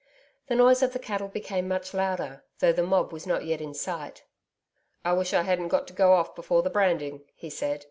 The noise of the cattle became much louder, though the mob was not yet in sight. 'I wish I hadn't got to go off before the branding,' he said.